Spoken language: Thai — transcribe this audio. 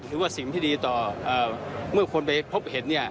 หรือว่าสิ่งที่ดีต่อเมื่อคนไปพบเห็นเนี่ย